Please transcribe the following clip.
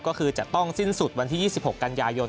ก็คือจะต้องสิ้นสุดวันที่๒๖กันยายน